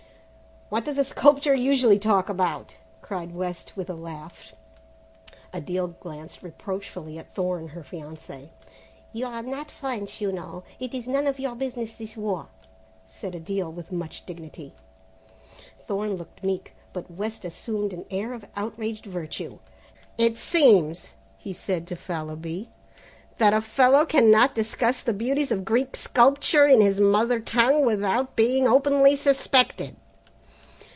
"What does a sculptor usually talk about?" cried West, with a laugh. Odile glanced reproachfully at Thorne, her fiancé. "You are not French, you know, and it is none of your business, this war," said Odile with much dignity. Thorne looked meek, but West assumed an air of outraged virtue. "It seems," he said to Fallowby, "that a fellow cannot discuss the beauties of Greek sculpture in his mother tongue, without being openly suspected."